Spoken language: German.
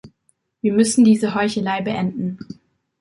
Wir müssen diese Heuchelei beenden.